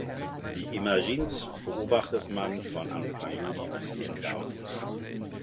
Die Imagines beobachtet man von Anfang Juni bis Ende August.